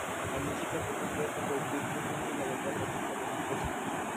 La música fue compuesta por Wilfred Junge y la letra por Víctor Domingo Silva.